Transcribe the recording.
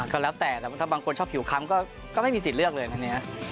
ก็แล้วแต่แต่ถ้าบางคนชอบผิวค้ำก็ไม่มีสิทธิ์เลือกเลยอันนี้